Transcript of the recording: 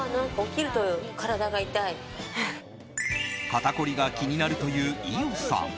肩凝りが気になるという伊代さん。